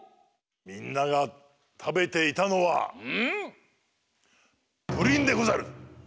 みんながたべていたのはプリンでござる！